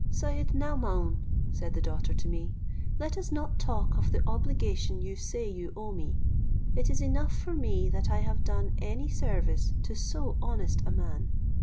"Syed Naomaun," said the daughter to me, "let us not talk of the obligation you say you owe me; it is enough for me that I have done any service to so honest a man.